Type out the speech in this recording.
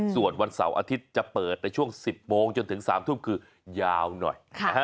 ส่วนวันเสาร์อาทิตย์จะเปิดในช่วง๑๐โมงจนถึง๓ทุ่มคือยาวหน่อย